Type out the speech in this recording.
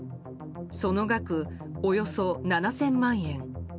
その額、およそ７０００万円。